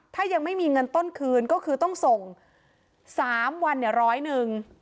ถ้ายังไม่มีเงินต้นคืนก็คือต้องส่ง๓วันเนี่ยร้อยหนึ่ง